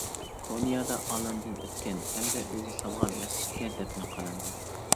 كونيادا ئالەمدىن ئۆتكەن ھەمدە ئۆزى سالغان مەسچىتكە دەپنە قىلىنغان.